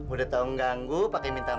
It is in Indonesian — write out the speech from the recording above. udah tau ngeganggu pake minta maaf